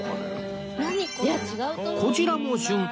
こちらも旬